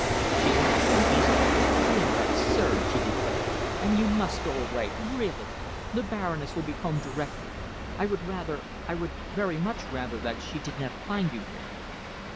She laughed uneasily. "You are absurd," she declared, "and you must go away. Really! The Baroness will be home directly. I would rather, I would very much rather that she did not find you here."